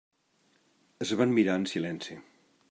Es van mirar en silenci.